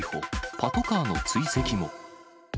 パトカーの追跡も。